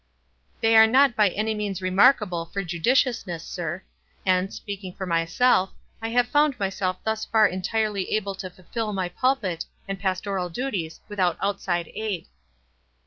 "They are not by any means remarkable for judiciousness, sir; and, speaking for myself, I have found myself thus far entirely able to fulfill my pulpit and pastoral duties without outside aid."